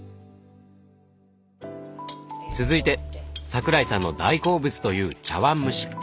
続いて桜井さんの大好物という茶碗蒸し。